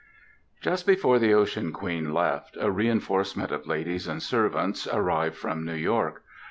Just before the Ocean Queen left, a reinforcement of ladies and servants arrived from New York.